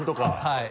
はい。